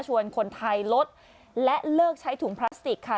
คนไทยลดและเลิกใช้ถุงพลาสติกค่ะ